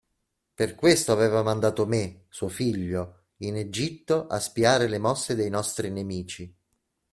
Per questo aveva mandato me, suo figlio, in Egitto a spiare le mosse dei nostri nemici.